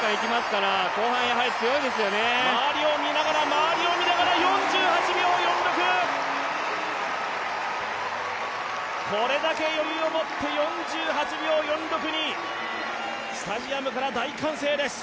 周りを見ながら、４８秒４６！これだけ余裕を持って、４８秒４６にスタジアムから大歓声です。